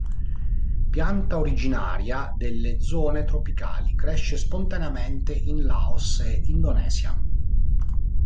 Pianta originaria delle zone tropicali, cresce spontaneamente in Laos e Indonesia.